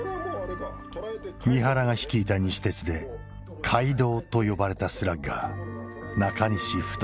三原が率いた西鉄で怪童と呼ばれたスラッガー中西太。